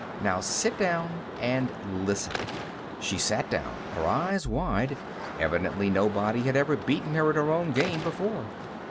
Now, sit down and listen." She sat down, her eyes wide. Evidently, nobody had ever beaten her at her own game before.